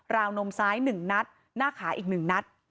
วนมซ้าย๑นัดหน้าขาอีก๑นัด